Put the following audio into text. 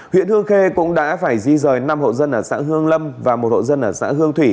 huyện hương khê cũng đã phải di rời năm hộ dân ở xã hương lâm và một hộ dân ở xã hương thủy